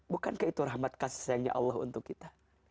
bukankah itu rahmat kasih sayangnya allah untuk kita